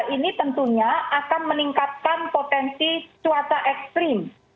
ini tentunya akan meningkatkan potensi cuaca ekstrim